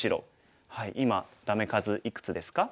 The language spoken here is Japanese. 今ダメ数いくつですか？